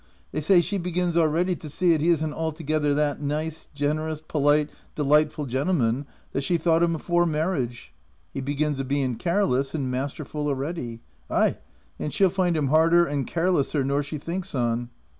They say she begins already to see 'at he isn't not altogether that nice, generous, per lite, delightful gentleman 'at she thought him afore marriage — he begins a being careless, and masterful already. Ay, and she'll find him harder and carelesser nor she thinks on."